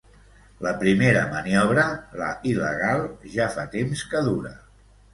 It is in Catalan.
La primera maniobra, la il·legal, ja fa temps que dura.